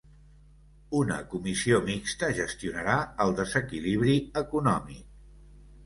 Una comissió mixta gestionarà el desequilibri econòmic